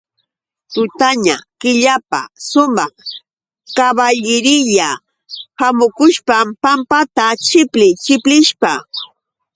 Tutaña killapa sumaq kaballiriya hamukushpam pampata chipli chiplishpa.